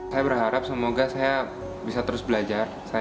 saya berharap semoga saya bisa terus belajar